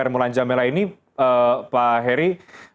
mulan jamela ini pak heri